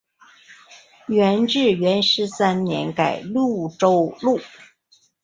元至元十三年改婺州路。